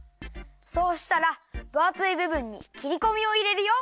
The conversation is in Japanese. そうしたらぶあついぶぶんにきりこみをいれるよ。